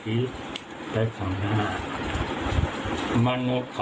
คุณผู้ชมค่ะลองดูนิดนึงไหมคะคุณผู้ชมค่ะ